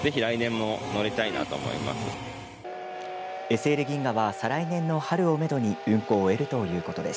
ＳＬ銀河は再来年の春をめどに運行を終えるということです。